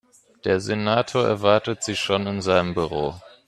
Der Senator erwartet Sie schon in seinem Büro.